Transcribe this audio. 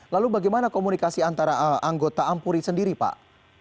lalu bagaimana komunikasi antara anggota ampuri sendiri pak